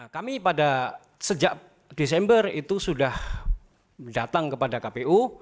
kami pada sejak desember itu sudah datang kepada kpu